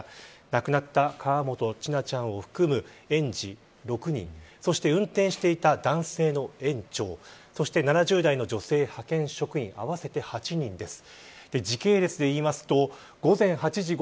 亡くなった河本千奈ちゃんを含む園児６人運転していた男性の園長そして７０代の女性派遣職員合わせて８人です。